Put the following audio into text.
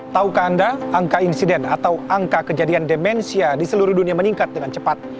taukah anda angka insiden atau angka kejadian demensia di seluruh dunia meningkat dengan cepat